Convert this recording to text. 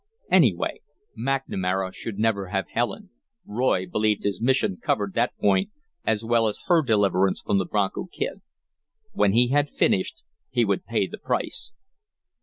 Anyway, McNamara should never have Helen Roy believed his mission covered that point as well as her deliverance from the Bronco Kid. When he had finished he would pay the price.